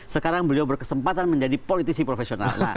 sekarang beliau berkesempatan menjadi politisi profesional